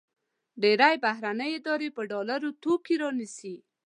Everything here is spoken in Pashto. ډېری بهرني ادارې په ډالرو توکي رانیسي.